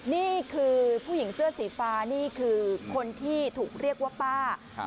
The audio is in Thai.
นี่คือผู้หญิงเสื้อสีฟ้านี่คือคนที่ถูกเรียกว่าป้า